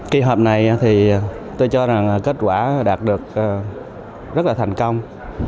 kỳ họp này thì tôi cho rằng kết quả đạt được rất là thành công